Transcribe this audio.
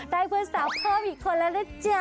ได้เพื่อนสาวพร้อมอีกคนแล้วจ้า